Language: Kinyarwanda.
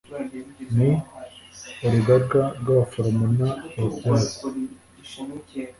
n Urugaga rw abaforomo n ababyaza